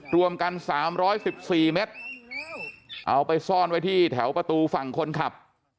รวมกัน๓๑๔เมตรเอาไปซ่อนไว้ที่แถวประตูฝั่งคนขับ